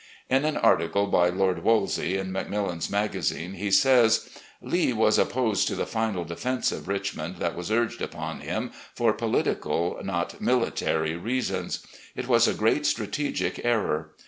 In an article by Lord Wolseley, in Macmillan's Maga zine, he says: " Lee was opposed to the final defense of Richmond that was urged upon him for political, not military reasons. It was a great strategic error.